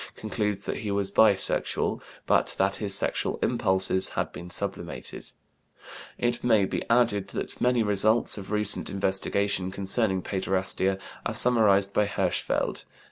ix, 1908), concludes that he was bisexual but that his sexual impulses had been sublimated. It may be added that many results of recent investigation concerning paiderastia are summarized by Hirschfeld, Die Homosexualität, pp.